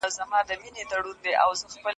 ماشومان باید پخواني عادتونه بند کړي.